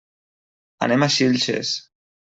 Anem a Xilxes.